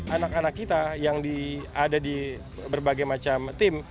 anak anak kita yang ada di berbagai macam tim